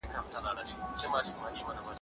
ماته مې د مور له قبره لږ هوا راولېږه